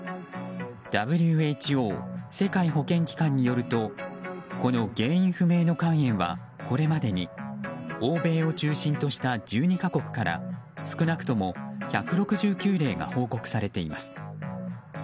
ＷＨＯ・世界保健機関によるとこの原因不明の肝炎はこれまでに欧米を中心とした１２か国から少なくとも１６９例が報告されています。